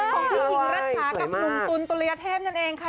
ของพี่หญิงรัฐากับหนุ่มตุ๋นตุลยเทพนั่นเองค่ะ